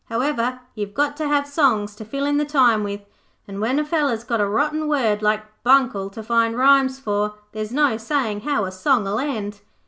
However, you've got to have songs to fill in the time with, and when a feller's got a rotten word like Buncle to find rhymes for, there's no sayin' how a song'll end.'